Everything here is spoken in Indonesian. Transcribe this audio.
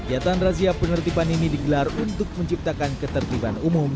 kegiatan razia penertiban ini digelar untuk menciptakan ketertiban umum